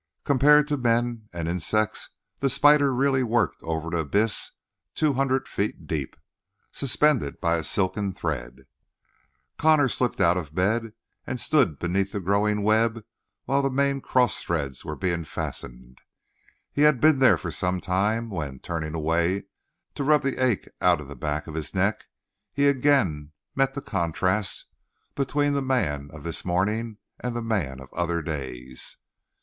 Compared to men and insects, the spider really worked over an abyss two hundred feet deep, suspended by a silken thread. Connor slipped out of bed and stood beneath the growing web while the main cross threads were being fastened. He had been there for some time when, turning away to rub the ache out of the back of his neck, he again met the contrast between the man of this morning and the man of other days.